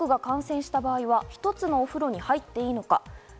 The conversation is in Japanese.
家族が感染した場合、一つのお風呂に入っていいのか。